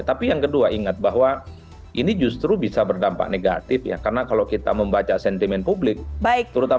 tapi yang kedua ingat bahwa ini justru bisa berdampak negatif ya karena kalau kita membaca sentimen publik terutama